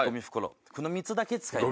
この３つだけ使います。